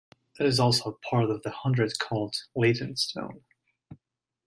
It is also a part of the hundred called Leightonstone.